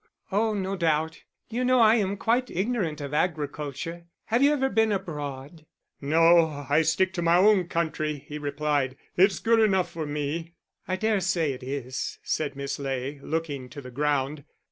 "Oh, no doubt. You know I am quite ignorant of agriculture. Have you ever been abroad?" "No, I stick to my own country," he replied; "it's good enough for me." "I dare say it is," said Miss Ley, looking to the ground.